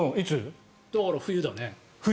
だから冬だね。